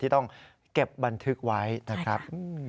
ต้องเก็บบันทึกไว้นะครับ